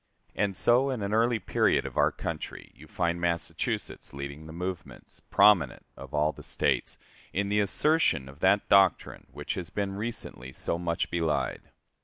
And so, in an early period of our country, you find Massachusetts leading the movements, prominent of all the States, in the assertion of that doctrine which has been recently so much belied.